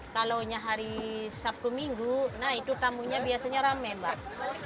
kalau hari sabtu minggu itu tamunya biasanya rame mbak